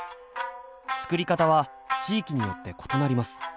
作り方は地域によって異なります。